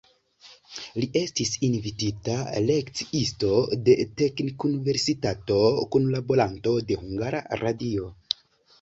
Li estis invitita lekciisto de teknikuniversitato, kunlaboranto de hungara radio.